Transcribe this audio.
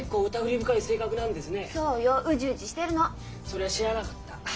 そりゃ知らなかった。